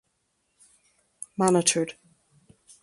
Monitored.